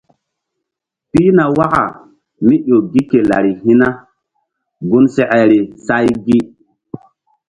Pihna waka mí ƴo gi ke lari hi̧ na gun sekeri say gi.